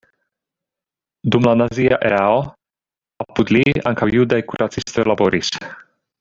Dum la nazia erao apud li ankaŭ judaj kuracistoj laboris.